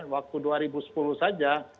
waktu dua ribu sepuluh saja